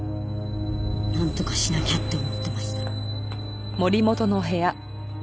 なんとかしなきゃって思ってました。